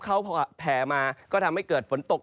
เขาพอแผ่มาก็ทำให้เกิดฝนตก